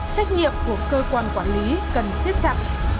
trách nhiệm của cơ quan quản lý cần siết chặt